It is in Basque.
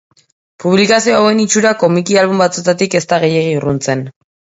Publikazio hauen itxura Komiki album batzuetatik ez da gehiegi urruntze.